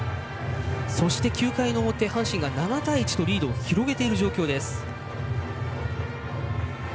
そして９回の表阪神が７対１とリードを広げている状況です。